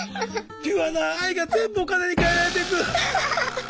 ピュアな愛が全部お金に換えられていく。